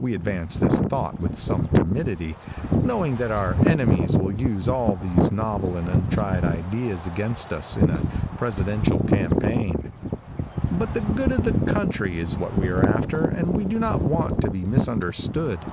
We advance this thought with some timidity, knowing that our enemies will use all these novel and untried ideas against us in a presidential campaign; but the good of the country is what we are after and we do not want to be misunderstood.